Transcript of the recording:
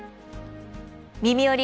「みみより！